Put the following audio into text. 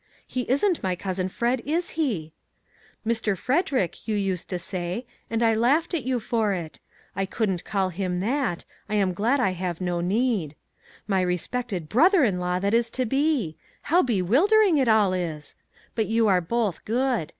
He isn't my cousin Fred, is he? ' Mr. Frederick,' you used to say, and I laughed at you for it. I couldn't call him that ; I am glad I have no need. My respected brother in law that is to be! How bewildering it all is! But you are both good.